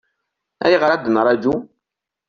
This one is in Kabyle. Ayɣer ad nraju?